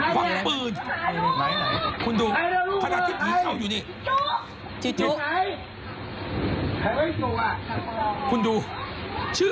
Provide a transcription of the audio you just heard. ฟ้าพูดเพื่อน